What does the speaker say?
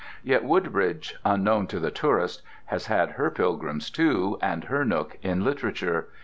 Yet Woodbridge, unknown to the tourist, has had her pilgrims, too, and her nook in literature.